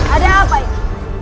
ada apa ini